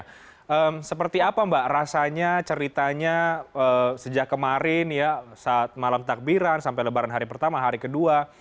nah seperti apa mbak rasanya ceritanya sejak kemarin ya saat malam takbiran sampai lebaran hari pertama hari kedua